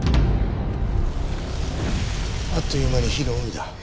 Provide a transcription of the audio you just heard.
あっという間に火の海だ。